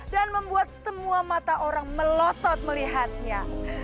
dan membuat semua mata orang melotot melihatnya